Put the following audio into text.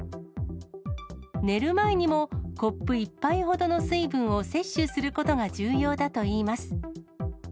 寝る前にも、コップ１杯ほどの水分を摂取することが重要だといいます。